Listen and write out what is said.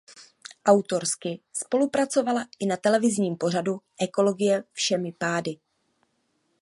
Autorsky spolupracovala i na televizním pořadu "Ekologie všemi pády".